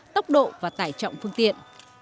tốc độ và tải trọng phương tiện